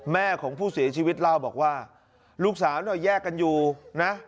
แม่ของผู้เสียชีวิตเล่าบอกว่าลูกสาวเนี่ยแยกกันอยู่นะ